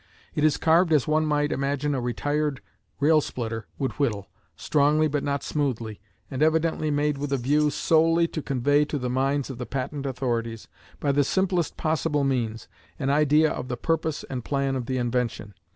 It is carved as one might imagine a retired railsplitter would whittle, strongly but not smoothly, and evidently made with a view solely to convey to the minds of the patent authorities, by the simplest possible means, an idea of the purpose and plan of the invention.